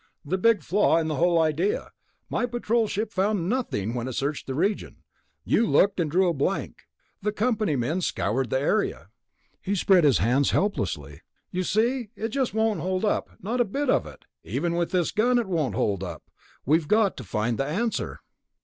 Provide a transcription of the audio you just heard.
"The big flaw in the whole idea. My Patrol ship found nothing when it searched the region. You looked, and drew a blank. The company men scoured the area." He spread his hands helplessly. "You see, it just won't hold up, not a bit of it. Even with this gun, it won't hold up. We've got to find the answer."